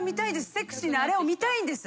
セクシーなあれを見たいんです。